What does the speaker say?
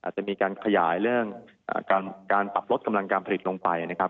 จะมีการขยายเรื่องการปรับลดกำลังการผลิตลงไปนะครับ